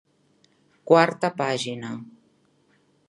Quarta pàgina: